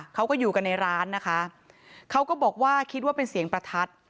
เขาก็อยู่กันในร้านนะคะเขาก็บอกว่าคิดว่าเป็นเสียงประทัด